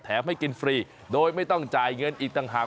ให้กินฟรีโดยไม่ต้องจ่ายเงินอีกต่างหาก